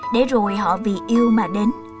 để rồi họ vì yêu mà đến